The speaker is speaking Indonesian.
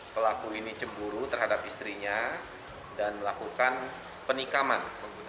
pelaku ini cemburu terhadap istrinya dan melakukan penikaman